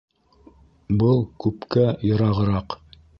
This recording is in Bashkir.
Был күпкә йырағыраҡ...